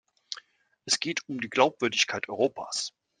Es geht um die Glaubwürdigkeit Europas.